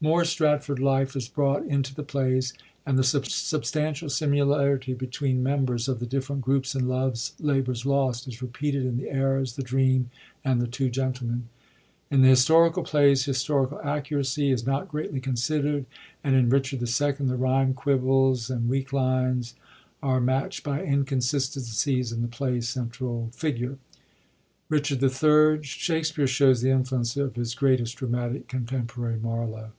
More Stratford life is brought into the plays, and the substantial similarity between mem bers of the different groups in Lovers Labour *s Lost is repeated in the Errors, the Dream,, and the Two Gentle men. In the historical plays, historical accuracy is not greatly considerd, and in BicTiard II. the ryme, quibbles, and weak lines are matcht by inconsistencies in the play's central figure. In Richard III. Shakspere shows the infiuence of his greatest dramatic contem porary, Marlowe.